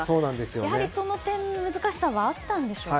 やはりその点の難しさはあったんでしょうか。